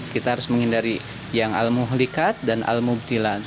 kita harus menghindari yang al muhlikat dan al mubtilan